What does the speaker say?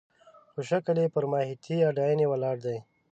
خو شکل یې پر ماهیتي اډانې ولاړ دی.